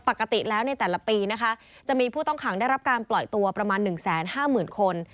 ปกติแล้วในแต่ละปีนะคะจะมีผู้ต้องขังได้รับการปล่อยตัวประมาณ๑๕๐๐๐คน